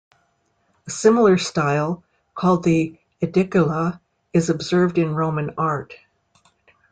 A similar style, called the Aedicula, is observed in Roman art.